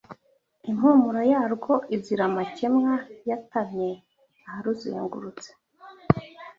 impumuro yarwo izira amakemwa yatamye aharuzengurutse.